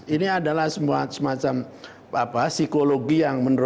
ini adalah semacam psikologi yang menurutku